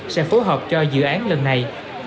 sẽ phối hợp cho dự án lần này